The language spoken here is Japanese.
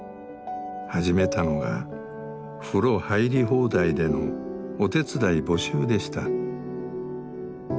始めたのが風呂入り放題でのお手伝い募集でした。